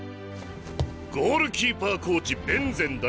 ゴールキーパーコーチ弁禅醍悟。